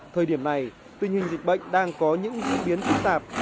thời điểm này tình hình dịch bệnh đang có những diễn biến phức tạp